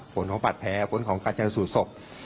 ผลของปัดแพ้ผลของการจัดสูตรศพ